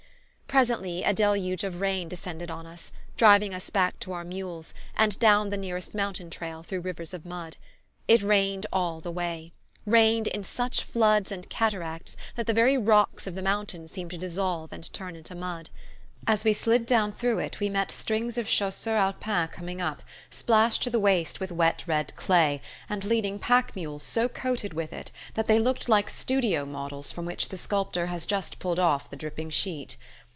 Presently a deluge of rain descended on us, driving us back to our mules, and down the nearest mountain trail through rivers of mud. It rained all the way: rained in such floods and cataracts that the very rocks of the mountain seemed to dissolve and turn into mud. As we slid down through it we met strings of Chasseurs Alpins coming up, splashed to the waist with wet red clay, and leading pack mules so coated with it that they looked like studio models from which the sculptor has just pulled off the dripping sheet.